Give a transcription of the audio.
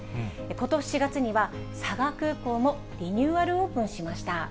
ことし４月には、佐賀空港もリニューアルオープンしました。